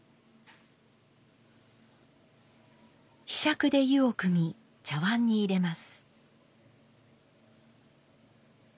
柄杓で湯をくみ茶碗に入れます。